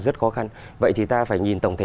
rất khó khăn vậy thì ta phải nhìn tổng thể